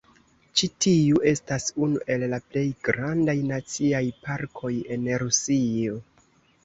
Ĉi tiu estas unu el la plej grandaj naciaj parkoj en Rusio.